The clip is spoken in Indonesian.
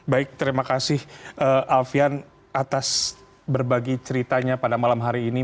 baik terima kasih alfian atas berbagi ceritanya pada malam hari ini